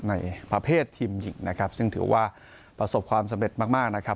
ในประเภททีมหญิงนะครับซึ่งถือว่าประสบความสำเร็จมากนะครับ